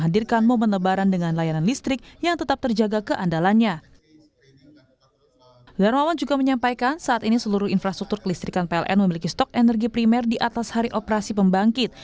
dermawan juga menyampaikan saat ini seluruh infrastruktur kelistrikan pln memiliki stok energi primer di atas hari operasi pembangkit